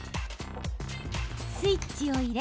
スイッチを入れ